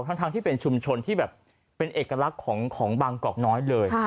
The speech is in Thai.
ทั้งที่เป็นชุมชนที่แบบเป็นเอกลักษณ์ของบางกอกน้อยเลย